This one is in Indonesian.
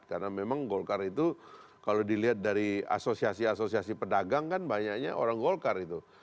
karena memang golkar itu kalau dilihat dari asosiasi asosiasi pedagang kan banyaknya orang golkar itu